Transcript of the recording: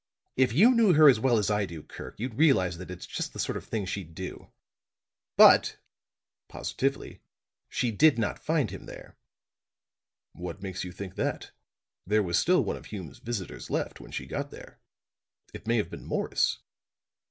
If you knew her as well as I do, Kirk, you'd realize that it's just the sort of thing she'd do. But," positively, "she did not find him there." "What makes you think that? There was still one of Hume's visitors left, when she got there. It may have been Morris."